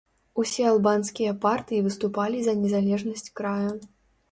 Усе албанскія партыі выступалі за незалежнасць края.